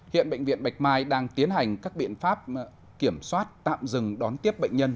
hiện bệnh viện bạch mai đang tiến hành các biện pháp kiểm soát tạm dừng đón tiếp bệnh nhân